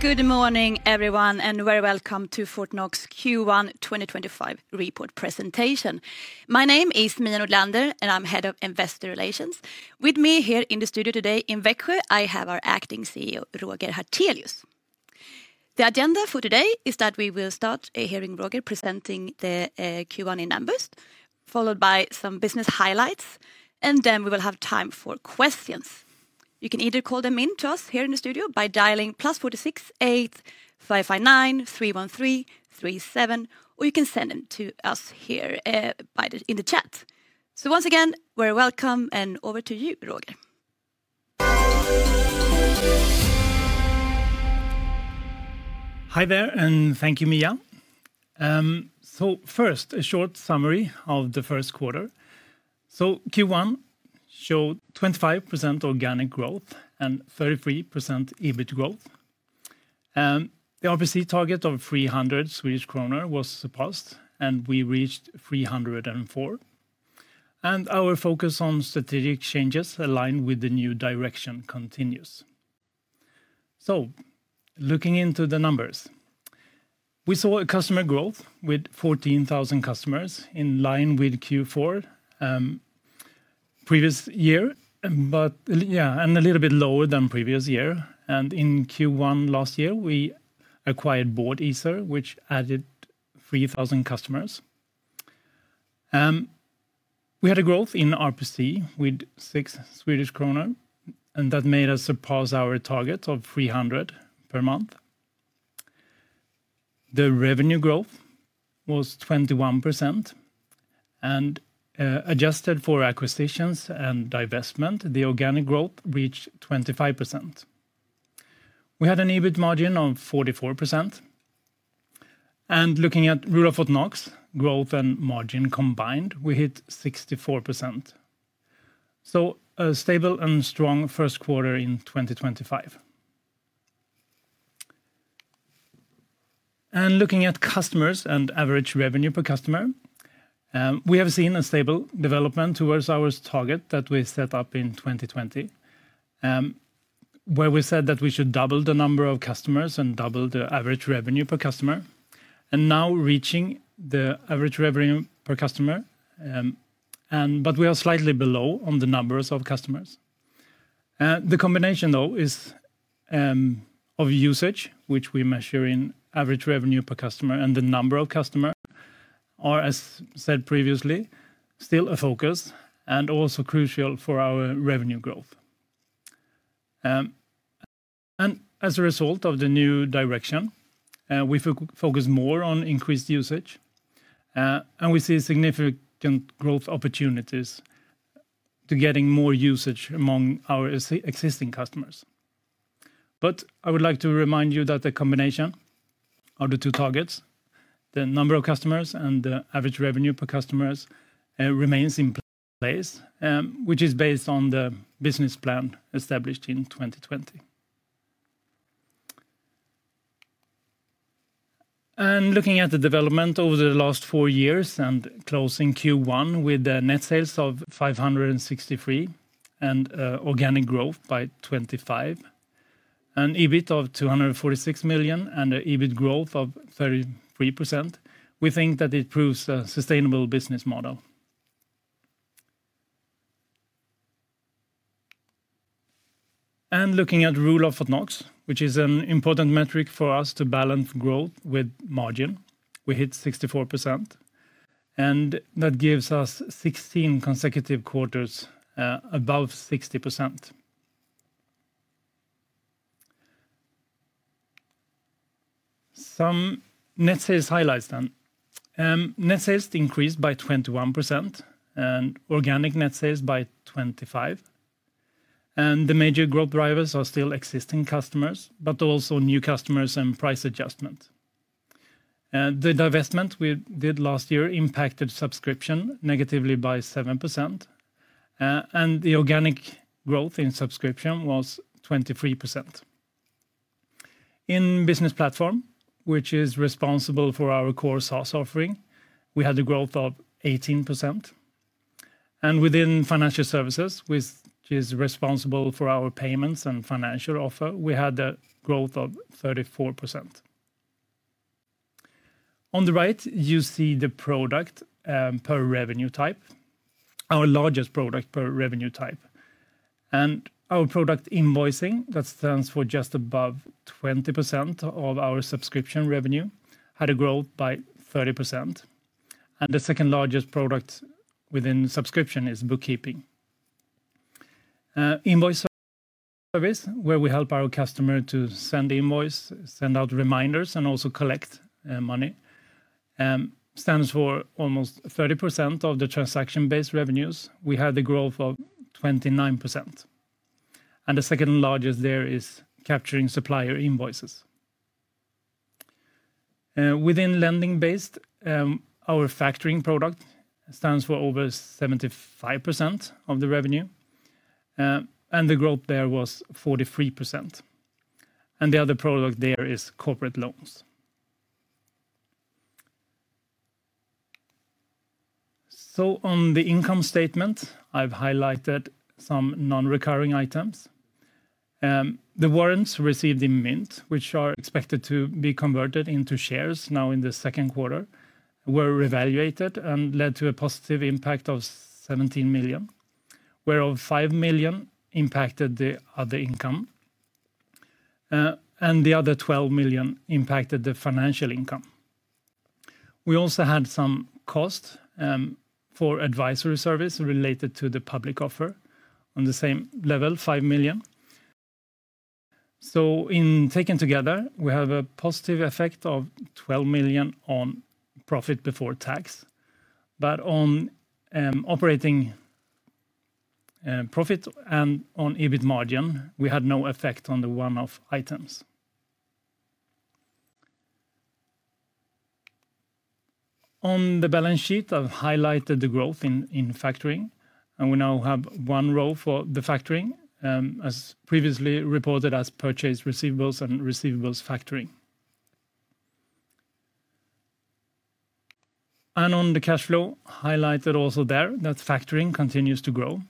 Good morning, everyone, and a very welcome to Fortnox Q1 2025 report presentation. My name is Mia Nordlander, and I'm Head of Investor Relations. With me here in the studio today in Växjö, I have our Acting CEO, Roger Hartelius. The agenda for today is that we will start hearing Roger presenting the Q1 in numbers, followed by some business highlights, and then we will have time for questions. You can either call them in to us here in the studio by dialing +46 8559 31337, or you can send them to us here in the chat. Once again, we're welcome, and over to you, Roger. Hi there, and thank you, Mia. First, a short summary of the first quarter. Q1 showed 25% organic growth and 33% EBIT growth. The RPC target of 300 Swedish kronor was surpassed, and we reached 304. Our focus on strategic changes aligned with the new direction continues. Looking into the numbers, we saw customer growth with 14,000 customers in line with Q4 previous year, but yeah, a little bit lower than previous year. In Q1 last year, we acquired Boardeaser, which added 3,000 customers. We had a growth in RPC with 6 Swedish kronor, and that made us surpass our target of 300 per month. The revenue growth was 21%, and adjusted for acquisitions and divestment, the organic growth reached 25%. We had an EBIT margin of 44%. Looking at Rule of Fortnox growth and margin combined, we hit 64%. A stable and strong first quarter in 2025. Looking at customers and average revenue per customer, we have seen a stable development towards our target that we set up in 2020, where we said that we should double the number of customers and double the average revenue per customer, and now reaching the average revenue per customer, but we are slightly below on the numbers of customers. The combination, though, is of usage, which we measure in average revenue per customer, and the number of customers are, as said previously, still a focus and also crucial for our revenue growth. As a result of the new direction, we focus more on increased usage, and we see significant growth opportunities to getting more usage among our existing customers. I would like to remind you that the combination of the two targets, the number of customers and the average revenue per customer, remains in place, which is based on the business plan established in 2020. Looking at the development over the last four years and closing Q1 with net sales of 563 million and organic growth by 25%, an EBIT of 246 million and an EBIT growth of 33%, we think that it proves a sustainable business model. Looking at Rule of Fortnox, which is an important metric for us to balance growth with margin, we hit 64%, and that gives us 16 consecutive quarters above 60%. Some net sales highlights then. Net sales increased by 21% and organic net sales by 25%. The major growth drivers are still existing customers, but also new customers and price adjustments. The divestment we did last year impacted subscription negatively by 7%, and the organic growth in subscription was 23%. In business platform, which is responsible for our core SaaS offering, we had a growth of 18%. Within financial services, which is responsible for our payments and financial offer, we had a growth of 34%. On the right, you see the product per revenue type, our largest product per revenue type. Our product invoicing, that stands for just above 20% of our subscription revenue, had a growth by 30%. The second largest product within subscription is bookkeeping. Invoice service, where we help our customer to send invoices, send out reminders, and also collect money, stands for almost 30% of the transaction-based revenues. We had a growth of 29%. The second largest there is capturing supplier invoices. Within lending-based, our factoring product stands for over 75% of the revenue, and the growth there was 43%. The other product there is corporate loans. On the income statement, I have highlighted some non-recurring items. The warrants received in Mynt, which are expected to be converted into shares now in the second quarter, were revaluated and led to a positive impact of 17 million, whereof 5 million impacted the other income, and the other 12 million impacted the financial income. We also had some costs for advisory service related to the public offer on the same level, 5 million. Taken together, we have a positive effect of 12 million on profit before tax, but on operating profit and on EBIT margin, we had no effect on the one-off items. On the balance sheet, I've highlighted the growth in factoring, and we now have one row for the factoring, as previously reported as purchased receivables and receivables factoring. On the cash flow, highlighted also there that factoring continues to grow,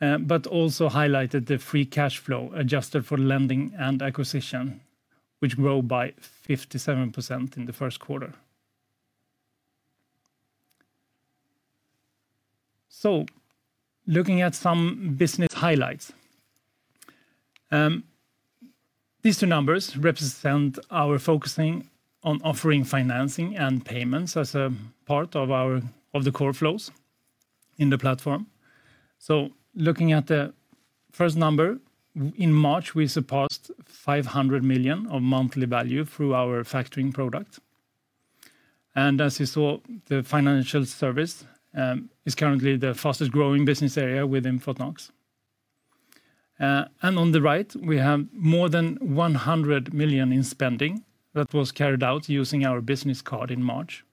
but also highlighted the free cash flow adjusted for lending and acquisition, which grew by 57% in the first quarter. Looking at some business highlights, these two numbers represent our focusing on offering financing and payments as a part of the core flows in the platform. Looking at the first number, in March, we surpassed 500 million of monthly value through our factoring product. As you saw, the financial service is currently the fastest growing business area within Fortnox. On the right, we have more than 100 million in spending that was carried out using our business card in March.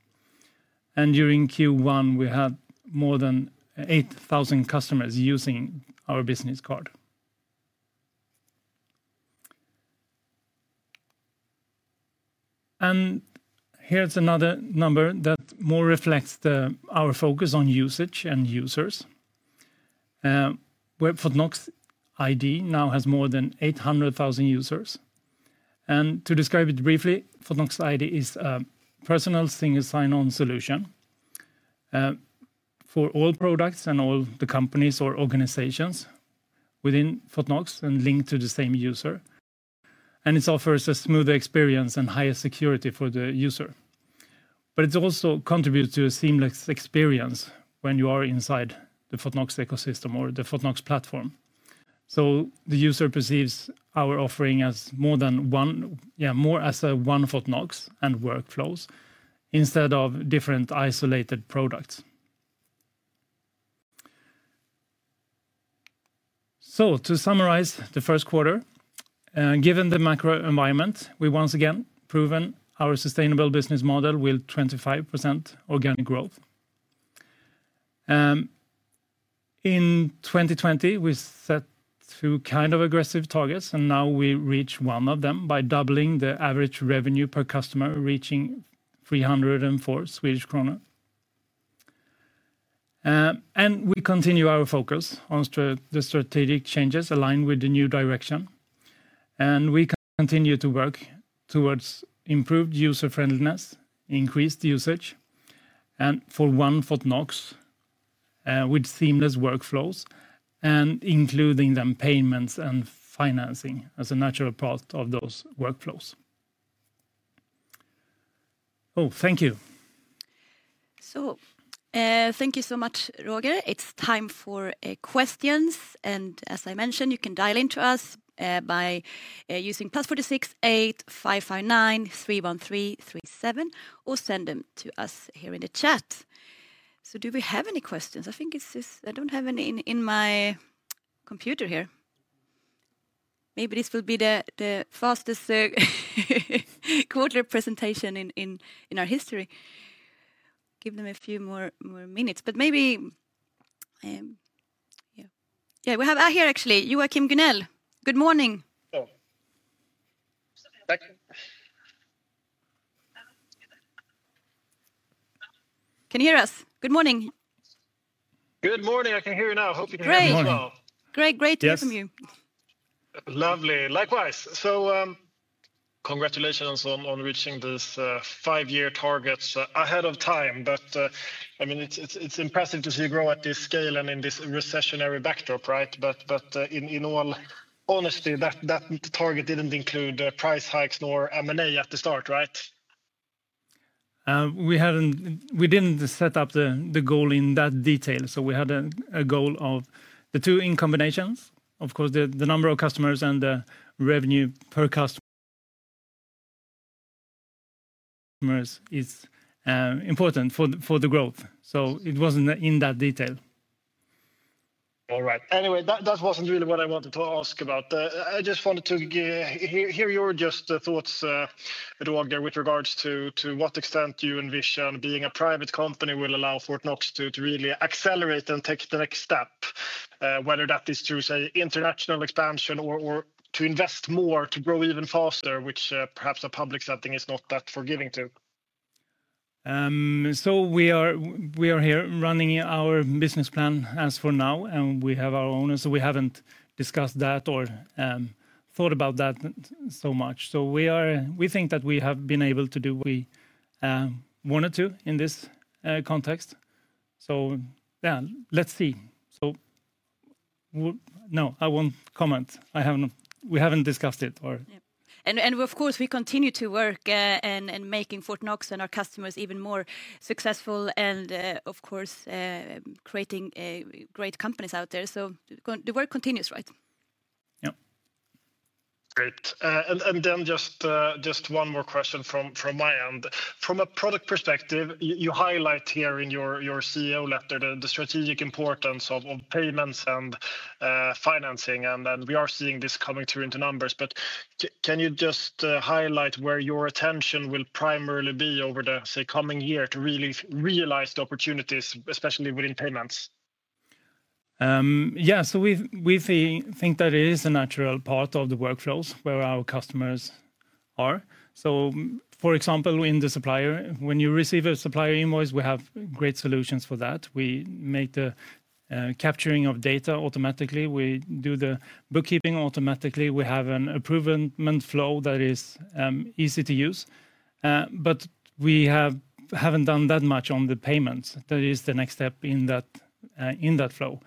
During Q1, we had more than 8,000 customers using our business card. Here is another number that more reflects our focus on usage and users. Fortnox ID now has more than 800,000 users. To describe it briefly, Fortnox ID is a personal single sign-on solution for all products and all the companies or organizations within Fortnox and linked to the same user. It offers a smoother experience and higher security for the user. It also contributes to a seamless experience when you are inside the Fortnox ecosystem or the Fortnox platform. The user perceives our offering as more as a one Fortnox and workflows instead of different isolated products. To summarize the first quarter, given the macro environment, we have once again proven our sustainable business model with 25% organic growth. In 2020, we set two kind of aggressive targets, and now we reach one of them by doubling the average revenue per customer, reaching 304 Swedish kronor. We continue our focus on the strategic changes aligned with the new direction. We continue to work towards improved user friendliness, increased usage, and for one Fortnox with seamless workflows, including payments and financing as a natural part of those workflows. Oh, thank you. Thank you so much, Roger. It's time for questions. As I mentioned, you can dial into us by using +46 8559 31337 or send them to us here in the chat. Do we have any questions? I think I don't have any in my computer here. Maybe this will be the fastest quarter presentation in our history. Give them a few more minutes, but maybe, yeah, yeah, we have her actually, Joachim Gunell. Good morning. Hello. Can you hear us? Good morning. Good morning. I can hear you now. Hope you can hear me well. Great. Great to hear from you. Lovely. Likewise. Congratulations on reaching these five-year targets ahead of time. I mean, it is impressive to see grow at this scale and in this recessionary backdrop, right? In all honesty, that target did not include price hikes nor M&A at the start, right? We did not set up the goal in that detail. We had a goal of the two in combinations. Of course, the number of customers and the revenue per customer is important for the growth. It was not in that detail. All right. Anyway, that was not really what I wanted to ask about. I just wanted to hear your just thoughts, Roger, with regards to what extent you envision being a private company will allow Fortnox to really accelerate and take the next step, whether that is to say international expansion or to invest more to grow even faster, which perhaps a public setting is not that forgiving to. We are here running our business plan as for now, and we have our owners, so we haven't discussed that or thought about that so much. We think that we have been able to do what we wanted to in this context. Yeah, let's see. No, I won't comment. We haven't discussed it. Of course, we continue to work and making Fortnox and our customers even more successful and of course, creating great companies out there. The work continues, right? Yeah. Great. And then just one more question from my end. From a product perspective, you highlight here in your CEO letter the strategic importance of payments and financing, and we are seeing this coming through into numbers. Can you just highlight where your attention will primarily be over the, say, coming year to really realize the opportunities, especially within payments? Yeah. We think that it is a natural part of the workflows where our customers are. For example, in the supplier, when you receive a supplier invoice, we have great solutions for that. We make the capturing of data automatically. We do the bookkeeping automatically. We have an approval flow that is easy to use. We have not done that much on the payments. That is the next step in that flow.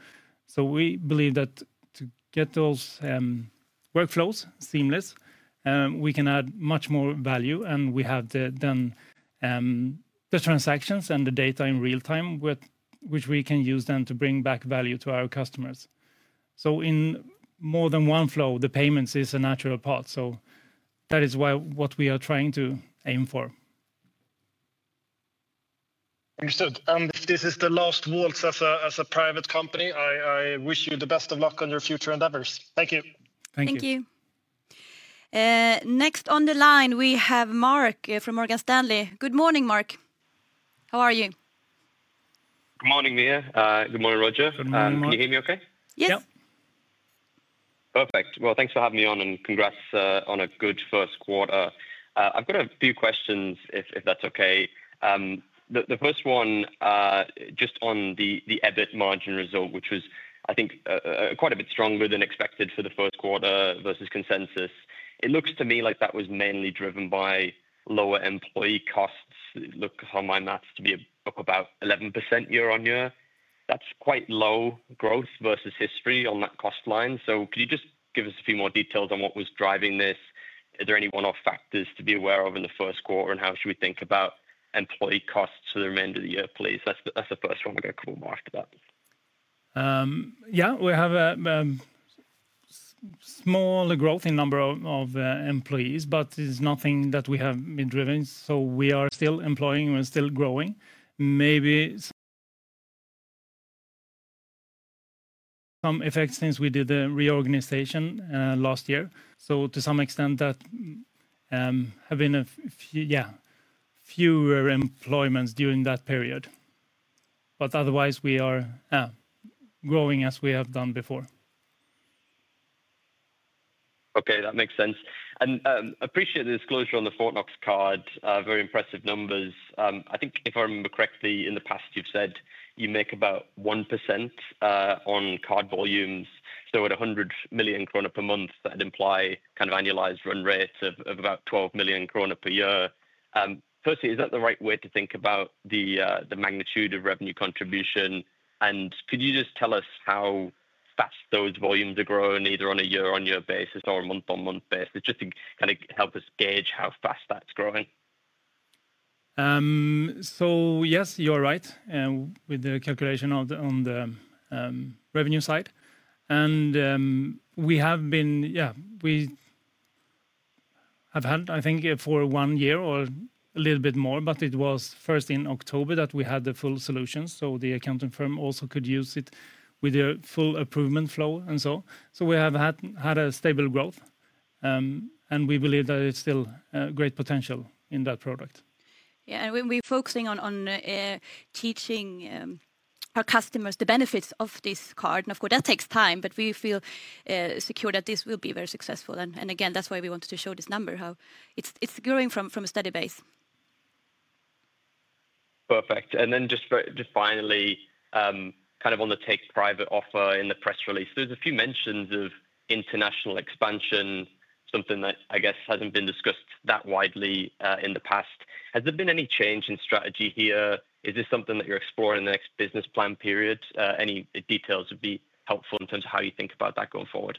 We believe that to get those workflows seamless, we can add much more value, and we have then the transactions and the data in real time, which we can use then to bring back value to our customers. In more than one flow, the payments is a natural part. That is what we are trying to aim for. Understood. This is the last words as a private company. I wish you the best of luck on your future endeavors. Thank you. Thank you. Thank you. Next on the line, we have Mark from Morgan Stanley. Good morning, Mark. How are you? Good morning, Mia. Good morning, Roger. Can you hear me okay? Yes. Perfect. Thanks for having me on and congrats on a good first quarter. I've got a few questions if that's okay. The first one just on the EBIT margin result, which was, I think, quite a bit stronger than expected for the first quarter versus consensus. It looks to me like that was mainly driven by lower employee costs. It looks on my maths to be up about 11% year on year. That's quite low growth versus history on that cost line. Could you just give us a few more details on what was driving this? Are there any one-off factors to be aware of in the first quarter? How should we think about employee costs for the remainder of the year, please? That's the first one. I'll get a couple more after that. Yeah, we have a smaller growth in number of employees, but it's nothing that we have been driven. We are still employing and still growing. Maybe some effects since we did the reorganization last year. To some extent, that have been a fewer employments during that period. Otherwise, we are growing as we have done before. Okay, that makes sense. I appreciate the disclosure on the Fortnox card. Very impressive numbers. I think if I remember correctly, in the past, you've said you make about 1% on card volumes. At 100 million kronor per month, that would imply kind of annualized run rate of about 12 million kronor per year. Firstly, is that the right way to think about the magnitude of revenue contribution? Could you just tell us how fast those volumes are growing, either on a year-on-year basis or a month-on-month basis, just to kind of help us gauge how fast that's growing? Yes, you're right with the calculation on the revenue side. We have had, I think, for one year or a little bit more, but it was first in October that we had the full solution. The accounting firm also could use it with a full approval flow and so. We have had a stable growth, and we believe that it's still great potential in that product. Yeah. When we're focusing on teaching our customers the benefits of this card, and of course, that takes time, but we feel secure that this will be very successful. Again, that's why we wanted to show this number, how it's growing from a steady base. Perfect. And then just finally, kind of on the take private offer in the press release, there is a few mentions of international expansion, something that I guess has not been discussed that widely in the past. Has there been any change in strategy here? Is this something that you are exploring in the next business plan period? Any details would be helpful in terms of how you think about that going forward?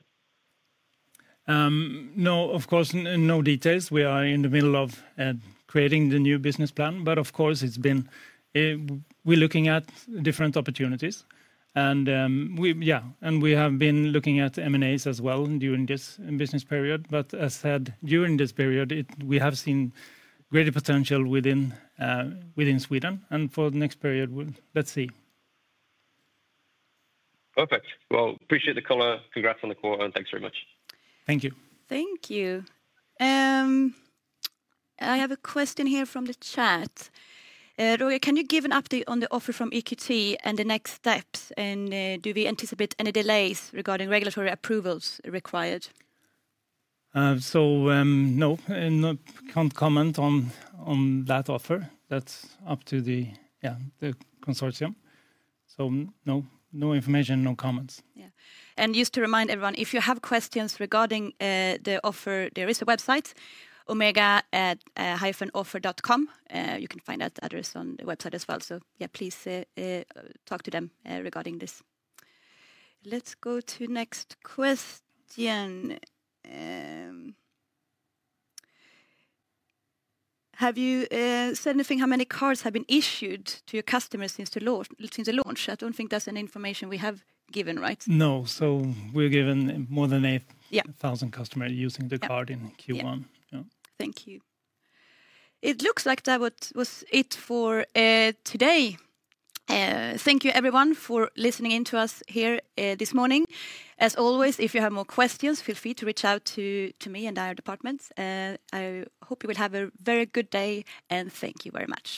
No, of course, no details. We are in the middle of creating the new business plan, but of course, we're looking at different opportunities. Yeah, we have been looking at M&As as well during this business period. As said, during this period, we have seen greater potential within Sweden. For the next period, let's see. Perfect. I appreciate the color. Congrats on the quarter. Thanks very much. Thank you. Thank you. I have a question here from the chat. Roger, can you give an update on the offer from EQT and the next steps? Do we anticipate any delays regarding regulatory approvals required? No, I can't comment on that offer. That's up to the, yeah, the consortium. No information, no comments. Yeah. Just to remind everyone, if you have questions regarding the offer, there is a website, omega-offer.com. You can find that address on the website as well. Please talk to them regarding this. Let's go to the next question. Have you said anything how many cards have been issued to your customers since the launch? I don't think that's an information we have given, right? No, we're giving more than 8,000 customers using the card in Q1. Thank you. It looks like that was it for today. Thank you, everyone, for listening in to us here this morning. As always, if you have more questions, feel free to reach out to me and our departments. I hope you will have a very good day, and thank you very much.